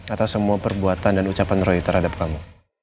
atas semua perbuatan dan ucapan roy terhadap kamu